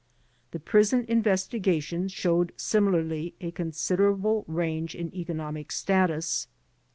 The prison investiga tions showed similarly a considerable range in economic status.